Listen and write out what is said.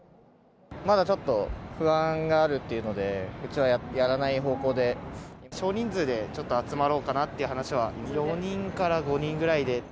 まだちょっと、不安があるっていうので、少人数でちょっと集まろうかなって話は、４人から５人くらいで。